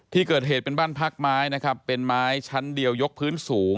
ที่เกิดเหตุเป็นบ้านพักไม้นะครับเป็นไม้ชั้นเดียวยกพื้นสูง